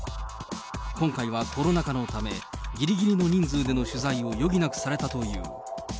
今回はコロナ禍のため、ぎりぎりの人数での取材を余儀なくされたという。